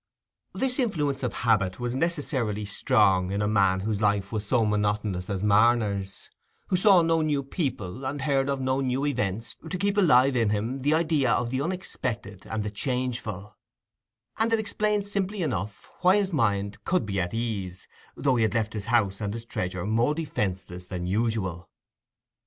This influence of habit was necessarily strong in a man whose life was so monotonous as Marner's—who saw no new people and heard of no new events to keep alive in him the idea of the unexpected and the changeful; and it explains simply enough, why his mind could be at ease, though he had left his house and his treasure more defenceless than usual.